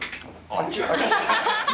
あっち。